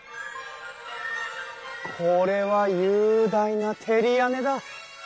これは雄大な照り屋根だ！